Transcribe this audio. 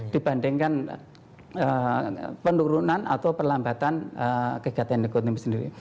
dibandingkan penurunan atau perlambatan kegiatan ekonomi sendiri